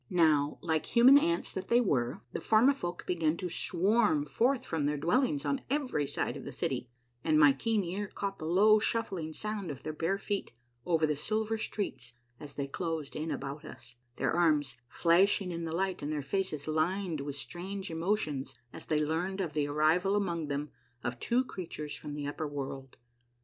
Now, like human ants that they were, the Formifolk began to swarm forth from their dwellings on every side of the city, and my keen ear caught the low shuffling sound of their bare feet over the silver streets as they closed in about us, their arms flashing in the light and their faces lined with strange emotions as they learned of the arrival among them of two creatures from the upper world.